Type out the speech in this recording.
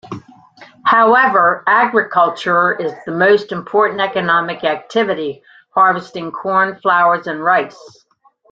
However, agriculture is the most important economic activity, harvesting corn, flowers and rice.